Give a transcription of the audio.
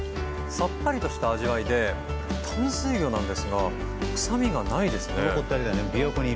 さっぱりとした味わいで淡水魚なんですが臭みがないですね。